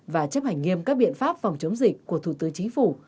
và chấp hành nghiêm các biện pháp phòng chống dịch của thủ tướng chính phủ